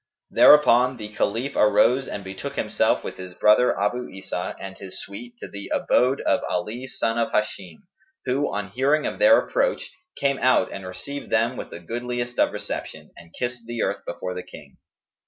Thereupon the Caliph arose and betook himself with his brother Abu Isa and his suite, to the abode of Ali son of Hisham who, on hearing of their approach, came out and received them with the goodliest of reception, and kissed the earth before the King.